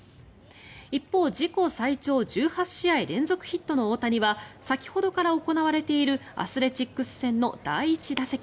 一方、自己最長１８試合連続ヒットの大谷は先ほどから行われているアスレチックス戦の第１打席。